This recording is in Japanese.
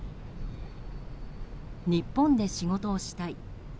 日本で仕事をしたい。